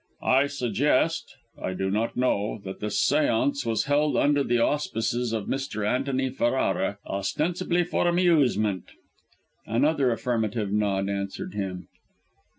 "I suggest I do not know that the séance was held under the auspices of Mr. Antony Ferrara, ostensibly for amusement." Another affirmative nod answered him.